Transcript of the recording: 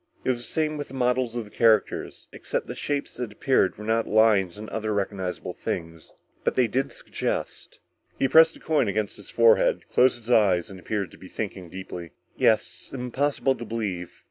It was the same with the models of the characters, except the shapes that appeared were not of lions or other recognizable things. But they did suggest." _He pressed the coin against his forehead, closed his eyes and appeared to be thinking deeply. "Yes, impossible to believe.